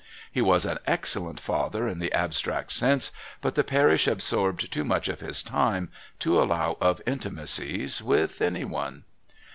He was an excellent father in the abstract sense, but the parish absorbed too much of his time to allow of intimacies with anyone.